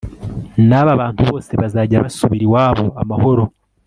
n aba bantu bose bazajya basubira iwabo amahoro